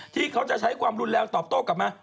ที่เขาจะใช้ความรุนแรงตอบโต้กลับมา